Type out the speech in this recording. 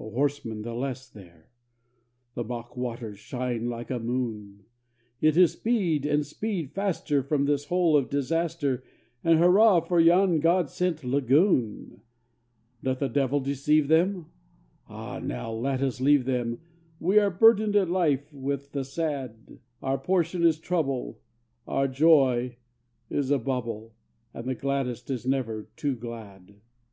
a horseman the less there! The mock waters shine like a moon! It is "Speed, and speed faster from this hole of disaster! And hurrah for yon God sent lagoon!" Doth a devil deceive them? Ah, now let us leave them We are burdened in life with the sad; Our portion is trouble, our joy is a bubble, And the gladdest is never too glad.